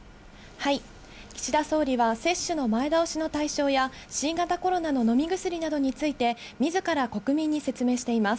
岸田総理は、接種の前倒しの対象や、新型コロナの飲み薬などについて、みずから国民に説明しています。